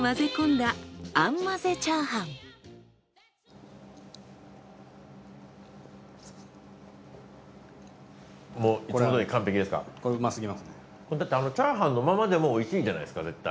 だってチャーハンのままでも美味しいじゃないですか絶対。